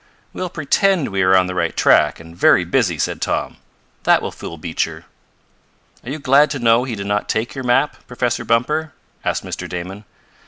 "We'll pretend we are on the right track, and very busy," said Tom. "That will fool Beecher." "Are you glad to know he did not take your map Professor Bumper?" asked Mr. Damon.